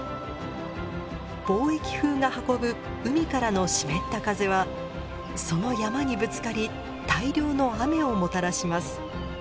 貿易風が運ぶ海からの湿った風はその山にぶつかり大量の雨をもたらします。